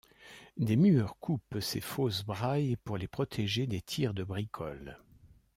Des murs coupent ses fausses brayes pour les protéger des tirs de bricoles.